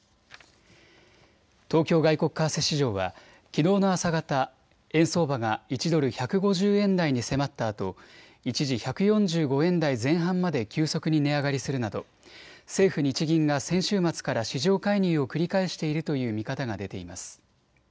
東京外国為替市場はきのうの朝方、円相場が１ドル１５０円台に迫ったあと一時、１４５円台前半まで急速に値上がりするなど政府・日銀が先週末から市場介入を繰り返しているという見方が出ています。